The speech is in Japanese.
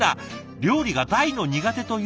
料理が大の苦手というみみさん。